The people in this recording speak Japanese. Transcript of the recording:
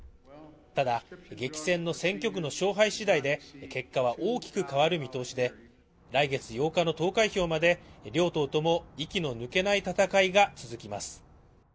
ただ激戦の選挙区の勝敗次第で結果は大きく変わる見通しで来月８日の投開票まで両党とも息の抜けない戦いが続きます